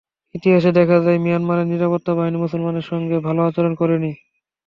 ইতিহাসে দেখা যায়, মিয়ানমারের নিরাপত্তা বাহিনী মুসলমানদের সঙ্গে ভালো আচরণ করেনি।